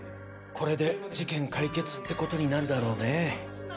これで事件解決ってことになるだろうね。